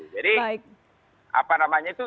jadi apa namanya itu